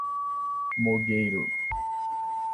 Mogeiro